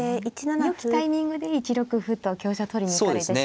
よきタイミングで１六歩と香車を取りに行かれてしまう。